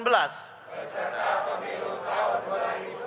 pilkada pemilu tahun dua ribu sembilan belas